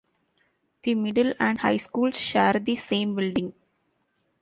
The middle and high schools share the same building.